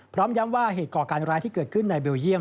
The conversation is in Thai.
พร้อมย้ำว่าเหตุก่อการร้ายที่เกิดขึ้นในเบลเยี่ยม